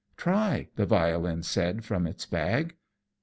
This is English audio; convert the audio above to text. "Try," the violin said from its bag.